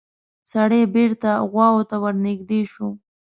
سړی بېرته غواوو ته ورنږدې شو.